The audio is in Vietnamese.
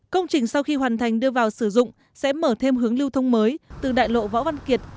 công trình sau khi hoàn thành đưa vào sử dụng sẽ mở thêm hướng lưu thông mới từ đại lộ võ văn kiệt